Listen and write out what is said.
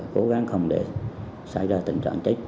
cố gắng không để xảy ra tình trạng trích